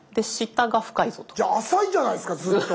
じゃあ浅いじゃないですかずっと。